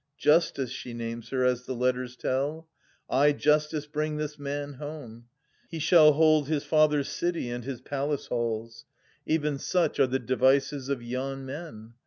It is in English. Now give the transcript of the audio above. Justice she names her, as the letters tell :—* I Justice bring this man home : he shall hold His father's city, and his palace halls.' Even such are the devices of yon men.